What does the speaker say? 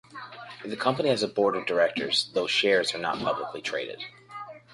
The company has a Board of Directors though shares are not publicly traded.